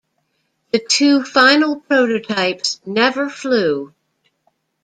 The two final prototypes never flew.